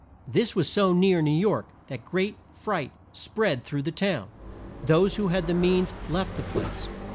This was so near New York that great fright spread through the town. Those who had the means left the place.